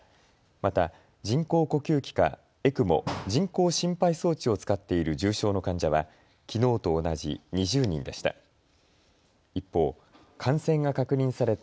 また人工呼吸器かＥＣＭＯ・人工心肺装置を使っている重症の患者はきのうと同じ２０人でした。